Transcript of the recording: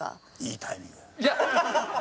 いいタイミングだね。